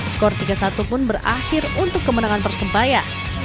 skor tiga satu pun berakhir untuk kemenangan persebaya